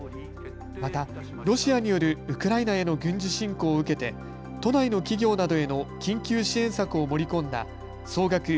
また、ロシアによるウクライナへの軍事侵攻を受けて都内の企業などへの緊急支援策を盛り込んだ総額